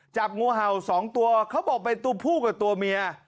จับงูเห่าสองตัวเขาบอกเป็นตัวผู้กับตัวเมีย